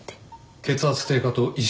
血圧低下と意識